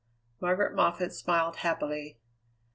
Margaret Moffatt smiled happily.